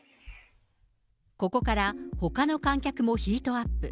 ここからほかの観客もヒートアップ。